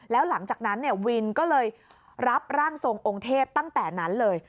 แล้วหลังจากนั้นเนี่ยวินก็เลยรับร่างทรงองค์เทพตั้งแต่นั้นเลย